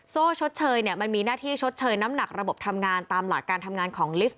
โซ่ชดเชยมันมีหน้าที่ชดเชยน้ำหนักระบบทำงานตามหลักการทำงานของลิฟต์